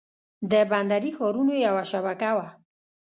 د بندري ښارونو یوه شبکه وه